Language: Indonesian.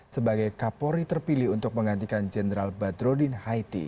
sebagai kapolri terpilih untuk menggantikan jenderal badrodin haiti